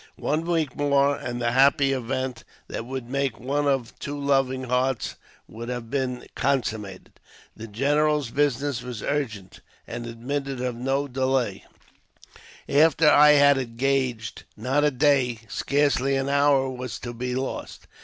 One week more, and the happy event that would make one of two loving hearts would have been consummated. The general's business was urgent, and admitted of n9 •delay ; after I had engaged, not a day, scarcely an hour was to be lost.